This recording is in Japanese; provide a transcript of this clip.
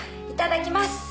いただきます。